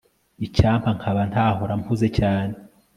Icyampa nkaba ntahora mpuze cyane